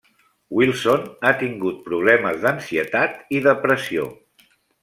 Wilson ha tingut problemes d'ansietat i depressió.